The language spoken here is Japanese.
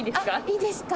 いいですか？